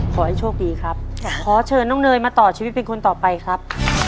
ขอให้โชคดีครับขอเชิญน้องเนยมาต่อชีวิตเป็นคนต่อไปครับ